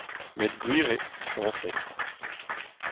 Met gwir eo, sañset.